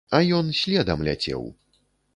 А ён следам ляцеў.